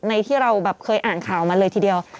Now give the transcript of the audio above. ที่เราแบบเคยอ่านข่าวมาเลยทีเดียว